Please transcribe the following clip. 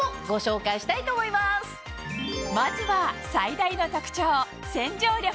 まずは最大の特徴洗浄力